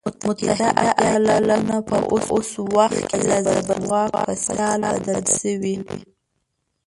متحده ایالتونه په اوس وخت کې له زبرځواک په سیال بدل شوی.